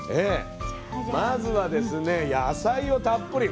まずはですね野菜をたっぷり。